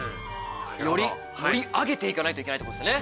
より盛り上げていかないといけないってことですね。